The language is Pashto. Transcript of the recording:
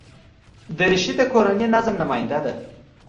دریشي د کورني نظم نماینده ده.